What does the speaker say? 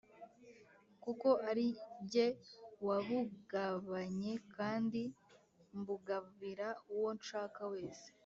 kuko arijye wabugabanye kandi mbugabira uwo nshaka wese